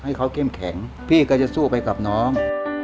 ให้เขาเข้มแข็งพี่ก็จะสู้ไปกับน้อง